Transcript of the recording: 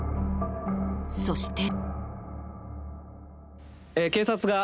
そして。